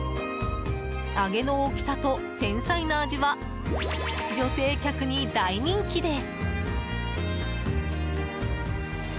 揚げの大きさと繊細な味は女性客に大人気です。